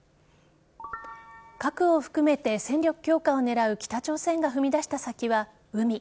核を含めて戦力強化を狙う北朝鮮が踏み出した先は海。